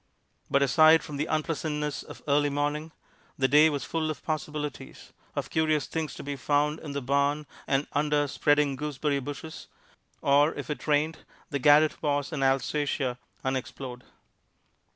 But aside from the unpleasantness of early morning, the day was full of possibilities of curious things to be found in the barn and under spreading gooseberry bushes, or if it rained, the garret was an Alsatia unexplored.